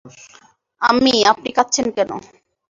আম্মি আপনি কাঁদছেন কেন?